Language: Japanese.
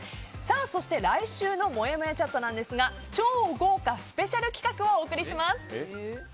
そして来週のもやもやチャットは超豪華スペシャル企画をお送りします。